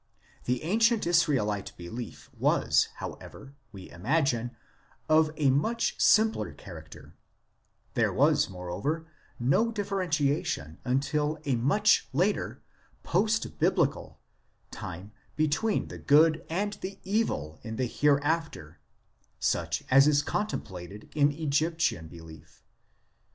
The ancient Israelite belief was, however, we imagine, of a much simpler character ; there was, moreover, no differentiation until a much later post biblical time between the good and the evil in the Hereafter, such as is contemplated in Egyptian belief.